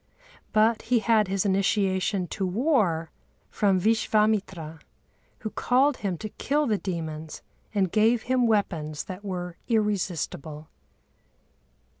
But he had his initiation to war from Vishvâmitra, who called him to kill the demons and gave him weapons that were irresistible.